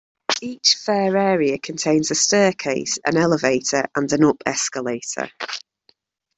Each fare area contains a staircase, an elevator, and an up escalator.